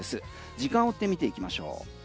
時間を追って見ていきましょう。